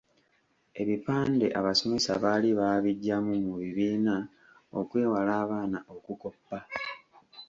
Ebipande abasomesa baali baabigyamu mu bibiina okwewala abaana okukoppa.